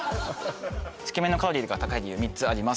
つけ麺のカロリーが高い理由３つあります